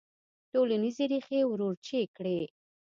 ټولنیزې ریښې وروچې کړي.